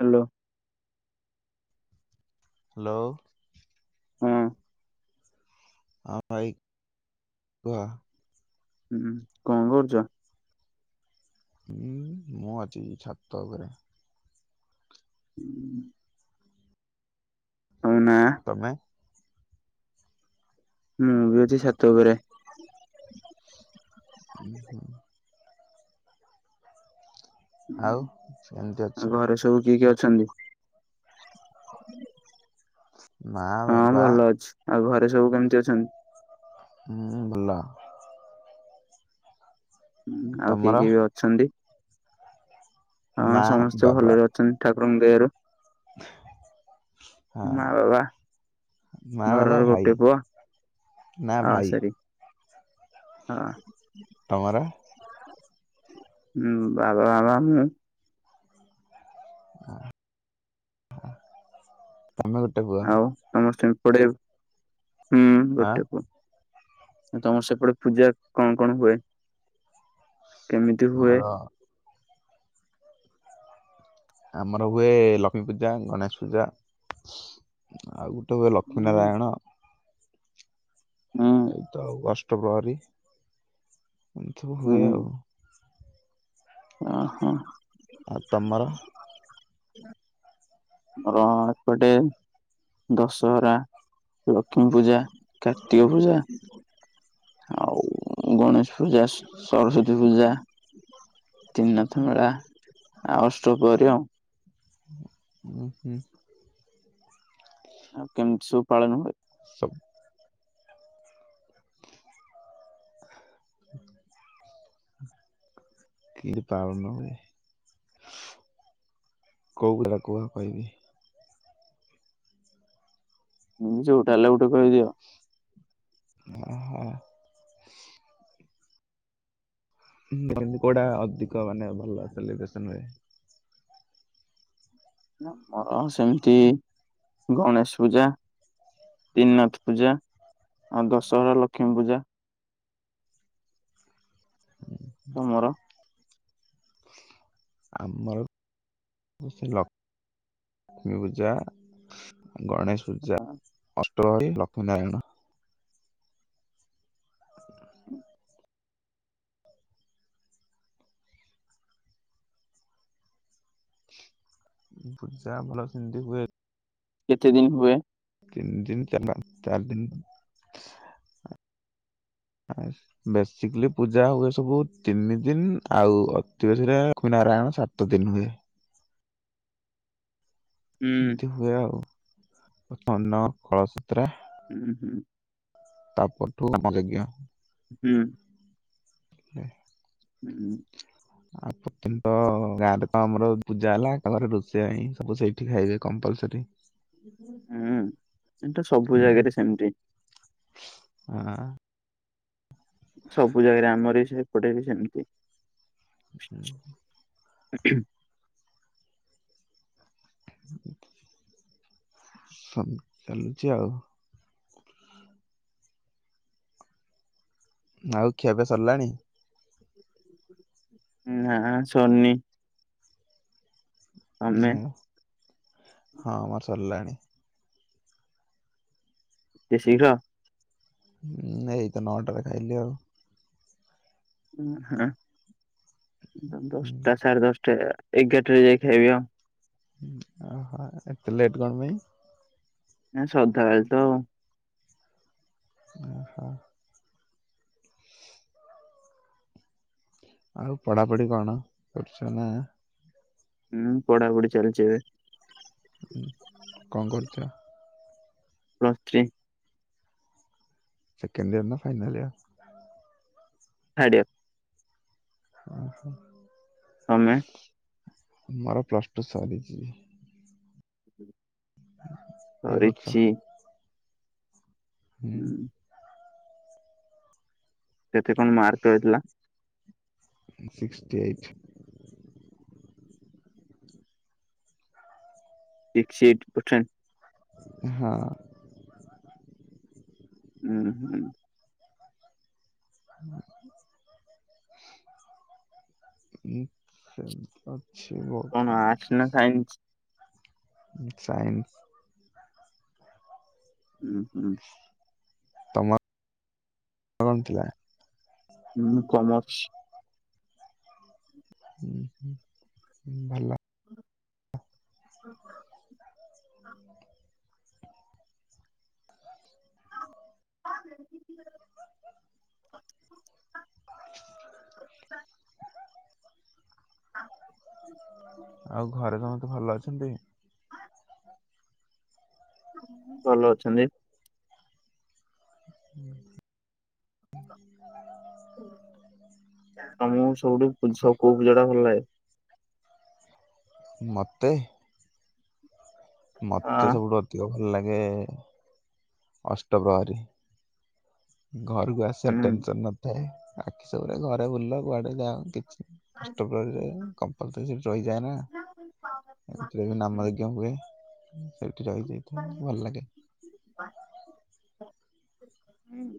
Hello. Hello. ହଁ। [unintelligible] ହୁଁ କଣ କରୁଛ। ହୁଁ ମୁଁ ଅଛି ଛାତ ଉପରେ ହୁଁ। ତମେ ମୁଁ ବି ଅଛି ଛାତ ଉପରେ [unintelligible] ଆଉ କେମିତି ଅଛ? ହଁ ଘରେ ସବୁ କିଏ କିଏ ଅଛନ୍ତି। ଅଛନ୍ତି। ମା ହଁ ବାବା ଭଲ ଅଛି ଆଉ ଘରେ। ଏ ସବୁ କେମିତି ଅଛନ୍ତି? ଭଲ ହଁ ଆଉ କିଏ ତମର? କିଏ ବି ଅଛନ୍ତି? ହଁ ମା ସମସ୍ତେ ବାବା ଭଲରେ ଅଛନ୍ତି। ଠାକୁରଙ୍କ ଦୟାରୁ ହଁ ମା ବାବା ମା ବାବା ଘରର ଭାଇ ଗୋଟିଏ ପୁଅ ନା ଆଉ ଭାଇ ସରି ହଁ। ଟଙ୍ଗରା ହଁ ବାବା ବାବା ମୁଁ ଆ ତମେ ଗୋଟେ କୁହ ଥଡ଼ ହୁଁ ଗୋଟେ ପ ତମର ସେପଟେ ପୂଜା କଣ କଣ ହୁଏ? କେମିତି ହୁଏ? ମୋର ଆମର ହୁଏ ଲକ୍ଷ୍ମୀ ପୂଜା ଗଣେଶ ପୂଜା ଆଉ ଗୋଟେ ହୁଏ ଲକ୍ଷ୍ମୀ ହୁଁ ନାରାୟଣ ହୁଁ ଏଇତ ଫେବୃଆାରୀ ଏମତି ସବୁ ହୁଏ ଆଉ। ଓ ହୋ। ଆ ତମରା ଆମର ଏପଟେ ଦଶହରା ଲକ୍ଷ୍ମୀ ପୂଜା କାର୍ତ୍ତିକ ପୂଜା ଆଉ ଗଣେଶ ପୂଜା ସରସ୍ଵତୀ ପୂଜା ତିିନାଥ ବେଳା ଆ ଅଷ୍ଟ ପରେ ଆଉ ଆକି ଆଉ କେମ ଶୁ ପାଳନ ହଏ। ସବୁ କି ପାାରୁନ ହୁଏ କୋଉ କା କୁହ କହିବି। ଯ ଗଉଟା ହେଲେ ଗୋଟେ କହିଦିଅ। ଓ ହୋ। କୋଉଟା ଅଧିକ ମାନେ ଭଲ ସେଲିବ୍ରେସନ ହୁଏ। ଆମର ସେମିତି ଗଣେଶ ପୂଜା ତିନିନାଥ ପୂଜା ଆଉ ଦଶହରା ଲକ୍ଷ୍ମୀ ପୂଜା ତମର ଆମର ଲକ୍ଷ୍ମ ଲକ୍ଷ୍ମୀ ପୂଜା ଗଣେଶ ପୂ ଜା ଲକ୍ଷ୍ମୀ ନାରାୟଣ। ହଁ। ବୁଝା ଭଲ ସିନ୍ଧି ହୁଏ। କେତେ ଦିନ ହୁଏ? ତିନି ଦିନ ଚାରି ଦିନ ବସିକି ପୂଜା ହୁଏ ସବୁ ତିନି ଦିନ ଆଉ ଅତି ବେଶିରେ ଲକ୍ଷ୍ମୀ ନାରାୟଣ ସାତ ଦିନ ହୁଏ। ହୁଁ ଏମିତି ହୁଏ ଆଉ। [unintelligible] କଳସୂତ୍ର। ହୁଁ ହୁଁ। ତାପରଠୁ ହୋମ ଯଜ୍ଞ। ହୁଁ ହୁଁ। ହୁଁ। ଆଉ [unintelligible] ଗାଁରେ ତ ଆମର ପୂଜା ହେଲା ଘରେ ରୋଷେଇ ପାଇଁ ସବୁ ସେଇଠି ଖାଇବେ କପଲସରି। ହୁଁ ସେଟା ସବୁ ହୁଁ ଜାଗାରେ ସେମିତି। ହଁ। ସବୁ ଜାଗାରେ ଆମର ସେପଟେ ବି ସେମିତି। ହୁଁ। ଖୁ ଖୁ। ଚାଲୁଛି ଆଉ। ଆଉ ଖିଆପିଆ ସରିଲାଣି? ନା ସରିନି। ତମେ ହଁ। ହଁ ଆମର ସରିଲାନି। ଏତେ ଶୀଘ୍ର? ହୁଁ ଏଇତ ନଅଟାରେ ଖାଇଲି ଆଉ। ହଁ ହଁ। ହୁଁ, ଦଶଟା ସାଢ଼େ ଦଶଟା ହେଇ ଗଲାଣି। ଏଗାରଟା ରେ ଯାଇ ଖାଇବି ଆଉ। ଓହୋ ଏତେ ଲେଟ କଣପାଇଁ? ସଦାବେଳେ ତ। ଓହୋ। ଆଉ ପଢ଼ାପଢ଼ି କଣ କରୁଛ ନା? ହୁଁ ପଢାପଢି ଚାଲିଛି ଏବେ। କଣ କରୁଚ? Plus three. ସେକେଣ୍ଡ ଇୟର ନା ଫାଇନାଲିୟର? ଥାର୍ଡିୟର୍ [unintelligible] ତମେ? ମୋର ପ୍ଲସ ଟୁ ସରଛି। ଏଇ ବର୍ଷ ସରିଚି। ହୁଁ। କେତେ କଣ ମାର୍କ ହେଇଥିଲା? Sixty eight. Sixty eight percent. ହଁ। ହୁଁ ହୁଁ। [unintelligible] ବହୁତ କଣ ଆର୍ଟସ ନା ସାଇନ୍ସ। ସାଇନ୍ସ। [unintelligible] ତମର କଣ ଥିଲା? ହୁଁ କମର୍ସ। ହୁଁ ହୁଁ ହୁଁ ଭଲ। [inaudible] [inaudible] [inaudible] ଆଉ ଘରେ ସମସ୍ତେ ଭଲ ଅଛନ୍ତି? ଭଲ ଅଛନ୍ତି। ହୁଁ। ତମକୁ ସବୁଠୁୁ ଝୁ କୋଉ ପିଲାଟା ଭଲ ନାଗେ। ମତେ ମତେ ଆଁ ସବୁଠୁ ଅଧିକ ଭଲ ଲାଗେ ଅଷ୍ଟପ୍ରହରୀ। ଘରକୁ ଆସିବାର ହୁଁ। ଟେନସନ ନଥାଏ। ଆଖି ସବୁରେ ଘରେ ବୁଲିଲା କୁଆଡେ ଯାଆନ୍ତି। ଅଷ୍ଟପହରୀରେ କମ୍ପଲସରି ସେଠି ରହିଯାଏ ନା ଏମିତିରେ ବି ନାମ ଯଜ୍ଞ ହୁଏ। ସେଇଠି ରହିଯାଇଥାଏ ଭଲ ଲାଗେ। ହୁଁ।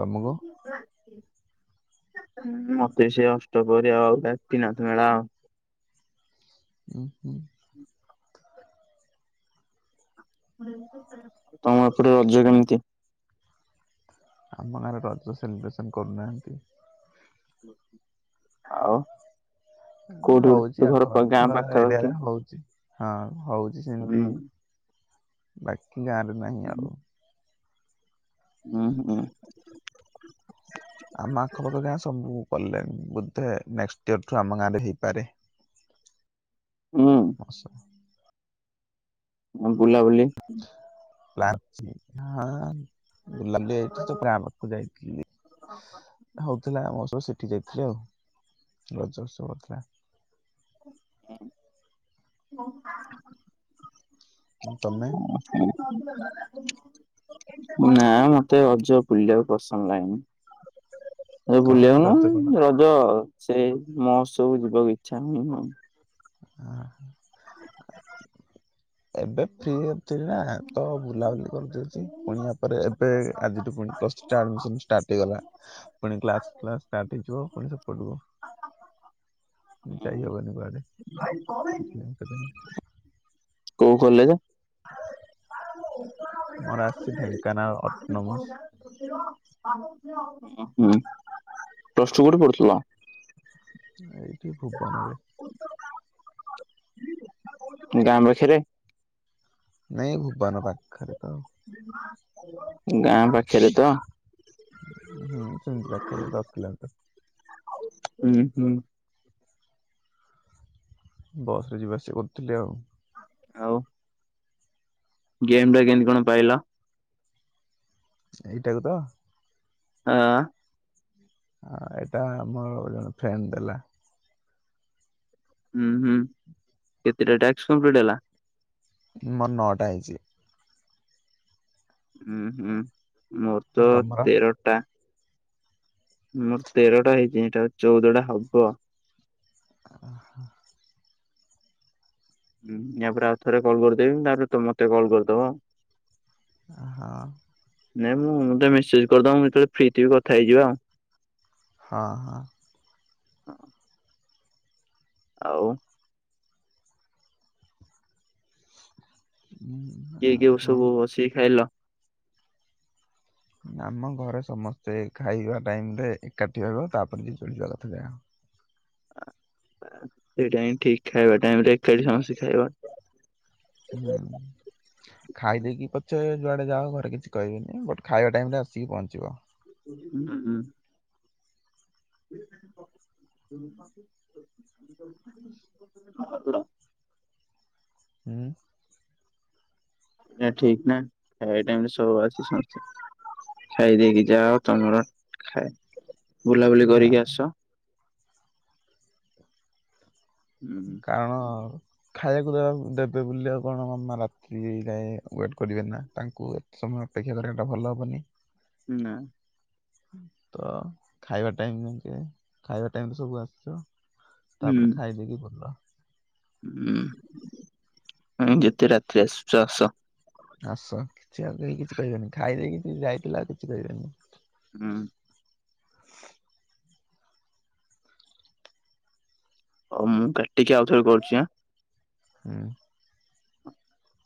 ତମକୁ ମତେ ସେ ଅଷ୍ଟପହରୀ ଆଉ ବ୍ୟକ୍ତିନାଥ ମେଳା ଆଉ। ଉଁ ହୁଁ। ତମ ଏପଟୁ ରଜ କେମିତି? ଆମ ଗାଁରେ ରଜ ସେଲିବ୍ରେସନ କରୁନାହାନ୍ତି। ଆଉ। କୋଉଠି ହଉଚି ଗୋଟେ ଘର ପା ଗାଁ ଆଖପାଖ ପାଖାପାଖି? ଏରିଆରେ ହଉଚି। ହଁ। ହଉଚି ହୁଁ ସେମତି ବାକ୍ ଗାଁରେ ନାହିଁ ଆଉ। ହୁଁ ହୁଁ। ଆମ ଆଖପାଖ ଗାଁ ସବୁ ପଲେ ବୋଧେ ନେକ୍ସଟ ଇୟର ଠୁ ଆମ ଗାଁ ରେ ହେଇପାରେ। ହୁଁ ଆସା। ଆଉ ବୁଲାବୁଲି ଲାଗଚି ଆ [unintelligible] ବୁଲାବୁଲି ଏଇଠି ତ ପ୍ରାମକୁ ଯାଇଥିଲି ହଉଥିଲା ମ ସ ସେଠି ଯାଇଥିଲୁ ଆଉ। ରଜଜ କରଥିଲା [unintelligible] ହ [unintelligible] ହବ ତମେ ନା ମତେ ଅଜ ପୁଲିବାକୁ ପସନ୍ଦ ଲାଗେନି। କଣ ପାଇଁ ରଜ କଣ ବୁଲିବାକୁନ ରଜ ସେ ମୋହଉତ୍ସବ ଯିବାକୁ ଇଚ୍ଛା ହୁଁ ହୁ। ହ ଏବେ ଫ୍ରିଥିଲା ତ ବୁଲାବୁଲି କରିଦଉଛି ପୁଣି ଆ ପରେ ଏବେ ଆଜିଠୁୁ ପୁଣି ପ୍ଲସ ଟୁ ଆଡିମିସନ୍ ଷ୍ଟାର୍ଟ ହେଇଗଲା। ପୁଣି କ୍ଲାସ ଫ୍ଲାସ ଷ୍ଟାର୍ଟ ହେଇଯିବ ପୁଣି ସପଟି ଆଉ। ଯାଇନି ବାହାରେ ଆପ କରି [unintelligible] କୋଉ କଲେଜ। ମୋର ଆସିଛି ଢେଙ୍କାନାଳ ଅଟନମସ। ହୁଁ ପ୍ଲସଟୁ କୁଠି ପଢୁଥିଲା। ଏଇଟିି ଭୁବନରେ। ଗାଁ ପାଖରେ। ନାଇଁ ଭୁବନ ପାଖରେ ତ। ବ ଆଜ ହୁଁ ସେମିତି ପାଖରେ ରଖିଲ ତ ହୁଁ ହୁଁ। ବସରେ ଯିବା ଆସିବା କରୁଥିଲି ଆଉ। ଆଉ। ଗେମ୍ ଟା କେମତି କଣ ପାଇଲା? ଏଇଟାକୁ ତ। ହଁ। ଆଉ ଏଇଟା ଆମର ଜଣେ ଫେଣ୍ଡ ଦେଲା। ହୁଁ ହୁଁ କେତେଟା ଟାସ୍କ କଂପ୍ଲିଟି ହେଲା। ମୋର ନଟା ହେଇଛି। ହୁଁ ହୁଁ। ମୋର ତ ତମର ତେରଟା। ହୁଁ [unintelligible] ତେରଟା ହେଇଛି ଏଇଟା ଚଉଦଟା ହବ। ଓ ହୋ ହୁଁ ୟା ପରେ ଆଉ ଥରେ କଲ୍ କରିଦେବି ତାରେ ତ ମତେ କଲ୍ କରିଦବ। ହ। ନାଇଁ ମୁଁ ଗୋଟେ ମେସେଜ କରିଦବ ଯେତେବେଳେ ଫ୍ରି ଥିବି କଥା ହେଇଯିବ ଆଉ। ହଁ ହଁ। ହଁ। ଆଉ। ଉଁ, କିଏ ଆଉ କିଏ କଣ ସବୁ ବସିକି ଖାଇଲ। ଆମ ଘରେ ସମସ୍ତେ ଖାଇବା ଟାଇମରେ ଏକାଠି ହେବ ତାପରେ ଝିଅ ଯୁଆଡେ ଯିବା କଥା ଯା ସେଟାଇ ଠିକ ଖାଇବା ଟାଇମିଂରେ ଏକାଠି ସମସ୍ତେ ଖାଇବା। ହୁଁ ଖାଇଦେଇକି ପଛେ ଯୁଆଡେ ଯାଅ ଘରେ କିଛି କହିବିନି ବଟ ଖାଇବା ଟାଇମ ରେ ଆସିକି ପହଞ୍ଚିବ। ହୁଁ ହୁଁ। ହ [inaudible] [inaudible] ହୁଁ। ଏଟ ଠିକ ନା ଖାଇବା ଟାଇମରେ ସବୁ ଆସି ସମସ୍ତେ ଖାଇ ଦେଇକି ଯାଅ ତମର ଖାଏ। ବୁଲାବୁଲି ହଁ କରିକି ଆସ। ହୁଁ କାରଣ। ଖାଇବାକୁ ଦେବାକୁ ଦେବେ ବୋଲି ଆଉ କଣ ରାତି ଯାଏ ୱେଟ କରିବାନି ନା ତାଙ୍କୁ ଏତେ ସମୟ ଅପେକ୍ଷା କରିବା ଏଟା ଭଲ ହବନି। ନା। ତ ଖାଇବା ଟାଇମ [unintelligible] ଖାଇବା ଟାଇମରେ ସବୁ ଆସିଛ। ହୁଁ। ତାପରେ ଖାଇ ଦେଇକି ପିଲ। ହୁଁ ଆ ଯେତେ ରାତିରେ ଆସୁଛ ଆସ। ଆସ କିଛି ଆଉ କେ କିଛି କହିବନି ଖାଇଦେଇକି ଯାଇଥିଲ ଆଉ କିଛି କହିବନି। ହୁଁ। ହଉ ମୁଁ କାଟିକି ଆଉଥରେ କରୁଛି ଆଁ। ହୁଁ। [inaudible]